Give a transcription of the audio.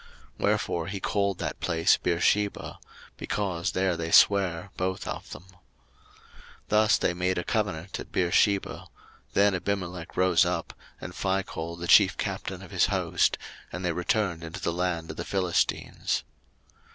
01:021:031 Wherefore he called that place Beersheba; because there they sware both of them. 01:021:032 Thus they made a covenant at Beersheba: then Abimelech rose up, and Phichol the chief captain of his host, and they returned into the land of the Philistines.